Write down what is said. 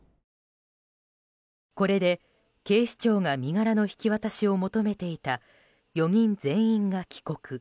これで警視庁が身柄の引き渡しを求めていた４人全員が帰国。